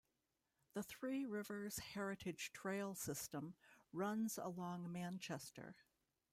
The Three Rivers Heritage Trail System runs along Manchester.